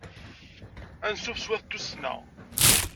Ansuf s wat tussna.